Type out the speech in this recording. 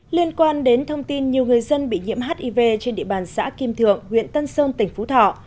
liên quan đến thông tin nhiều người dân bị nhiễm hiv trên địa bàn xã kim thượng huyện tân sơn tỉnh phú thọ